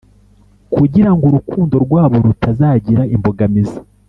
kugira ngo urukundo rwabo rutazagira imbogamizi.